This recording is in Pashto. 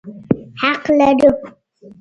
حق لرو.